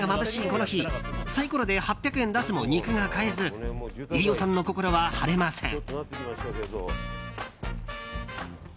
この日サイコロで８００円出すも肉が買えず飯尾さんの心は晴れません。